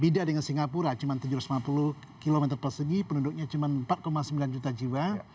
beda dengan singapura cuma tujuh ratus lima puluh km persegi penduduknya cuma empat sembilan juta jiwa